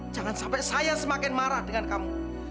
jangan sampai saya semakin marah dengan kamu